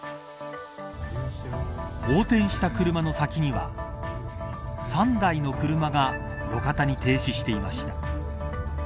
横転した車の先には３台の車が路肩に停止していました。